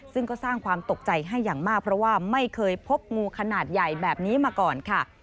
ซึ่งก็สร้างความตกใจให้อย่างมากเพราะว่าไม่เคยพบงูขนาดใหญ่แบบนี้มาก่อนค่ะ